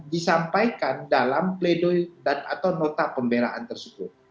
disampaikan dalam pledoi atau nota pembelaan tersebut